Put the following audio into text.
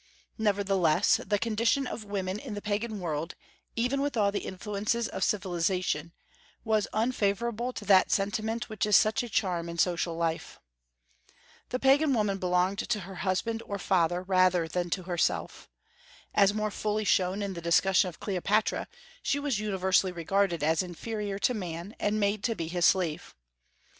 Nevertheless, the condition of women in the Pagan world, even with all the influences of civilization, was unfavorable to that sentiment which is such a charm in social life. The Pagan woman belonged to her husband or her father rather than to herself. As more fully shown in the discussion of Cleopatra, she was universally regarded as inferior to man, and made to be his slave.